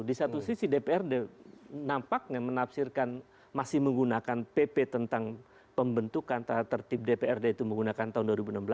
di satu sisi dprd nampaknya menafsirkan masih menggunakan pp tentang pembentukan tata tertib dprd itu menggunakan tahun dua ribu enam belas